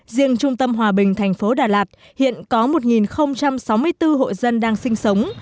riêng trung tâm hòa bình thành phố đà lạt hiện có một sáu mươi bốn hộ dân đang sinh sống